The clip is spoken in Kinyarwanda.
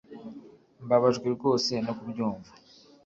mbabajwe rwose no kubyumva